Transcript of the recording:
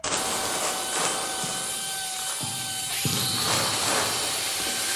ბავშვობაში ფრენკი ფეხბურთს თამაშობდა, აქედან მომდინარეობს მისი კიდევ ერთი ზედმეტსახელი „სამფეხა ფეხბურთელი“.